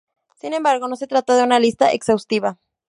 Sin embargo, no se trata de una lista exhaustiva.